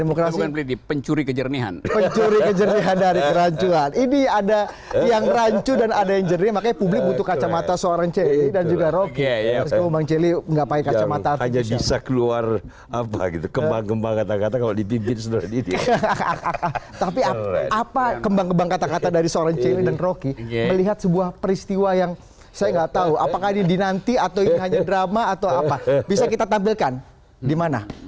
menjadi oposisi itu juga sangat mulia